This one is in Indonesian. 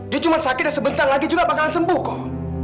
dia cuma sakit dan sebentar lagi juga bakalan sembuh kok